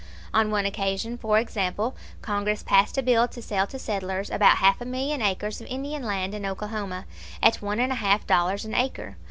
On one occasion, for example, Congress passed a bill to sell to settlers about half a million acres of Indian land in Oklahoma at one and a half dollars an acre.